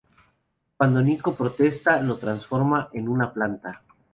Cuando Nico protesta, lo transforma en una planta.